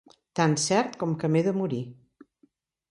Tan cert com que m'he de morir.